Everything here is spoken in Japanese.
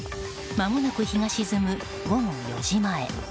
まもなく日が沈む午後４時前